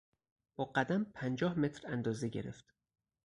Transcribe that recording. با قدم پنجاه متر اندازه گرفت.